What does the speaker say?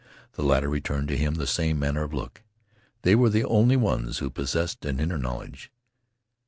The latter returned to him the same manner of look. They were the only ones who possessed an inner knowledge.